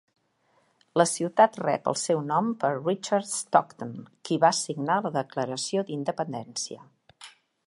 La ciutat rep el seu nom per Richard Stockton, qui va signar la Declaració d'independència.